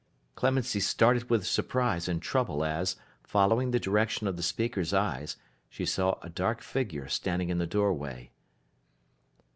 Clemency started with surprise and trouble as, following the direction of the speaker's eyes, she saw a dark figure standing in the doorway.